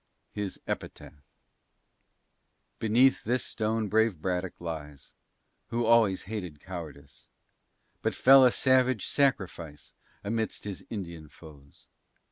HIS EPITAPH Beneath this stone brave Braddock lies, Who always hated cowardice, But fell a savage sacrifice Amidst his Indian foes.